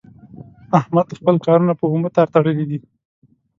احمد خپل کارونه په اومه تار تړلي دي.